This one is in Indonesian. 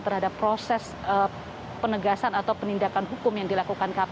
terhadap proses penegasan atau penindakan hukum yang dilakukan kpk